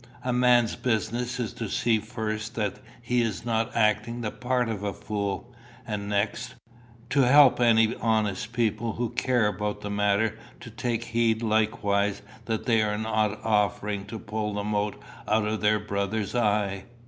A man's business is to see first that he is not acting the part of a fool, and next, to help any honest people who care about the matter to take heed likewise that they be not offering to pull the mote out of their brother's eye.